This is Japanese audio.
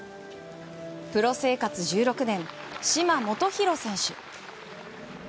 プロ生活１６年嶋基宏選手。